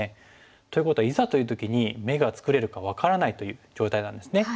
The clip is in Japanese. ということはいざという時に眼が作れるか分からないという状態なんですね。